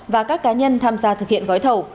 và các cá nhân tham gia thực hiện gói thầu